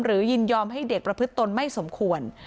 ยินยอมให้เด็กประพฤติตนไม่สมควร